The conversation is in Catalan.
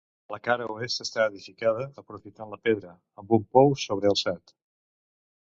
La cara oest està edificada aprofitant la pedra, amb un pou sobrealçat.